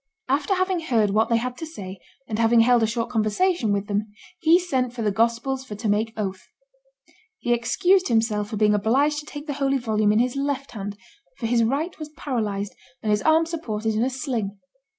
After having heard what they had to say, and having held a short conversation with them, he sent for the Gospels for to make oath. He excused himself for being obliged to take the holy volume in his left hand, for his right was paralyzed and his arm supported in a sling.